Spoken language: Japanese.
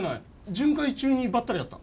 巡回中にばったり会った。